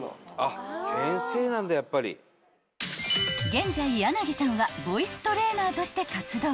［現在柳さんはボイストレーナーとして活動］